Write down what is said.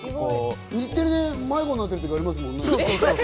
日テレ、迷子になったこと、ありますもんね。